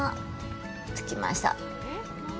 着きました。